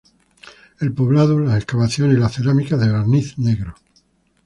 El poblado, las excavaciones y las cerámicas de barniz negro.